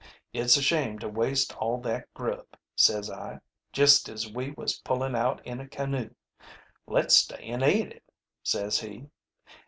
'It's a shame to waste all that grub,' says I, just as we was pullin' out in a canoe. 'Let's stay an' eat it,' says he.